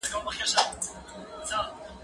زه به سبا د کتابتون کار کوم